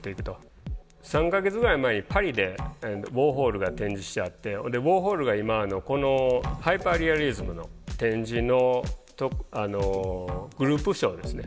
３か月ぐらい前にパリでウォーホルが展示してあってウォーホルが今このハイパーリアリズムの展示のグループショーですね。